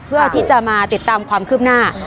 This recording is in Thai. เพื่อที่จะมาติดตามความคืบหน้า